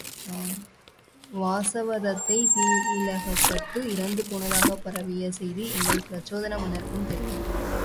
வாசவதத்தை தீயிலகப்பட்டு இறந்து போனதாகப் பரவிய செய்தி எங்கள் பிரச்சோதன மன்னருக்கும் தெரியும்.